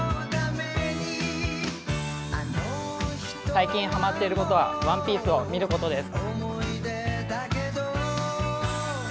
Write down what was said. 最近ハマっていることは「ＯＮＥＰＩＥＣＥ」を見ることです。